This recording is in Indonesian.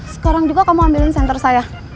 sekarang juga kamu ambilin senter saya